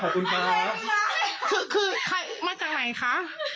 ขอบคุณค่ะ